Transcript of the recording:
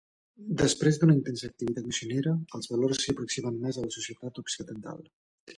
Després d'una intensa activitat missionera, els valors s'hi aproximen més a la societat occidental.